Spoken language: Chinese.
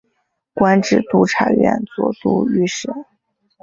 官至都察院右都御史。